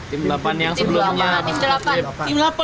tim delapan yang sebelumnya